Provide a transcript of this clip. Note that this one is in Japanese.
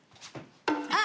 あっ！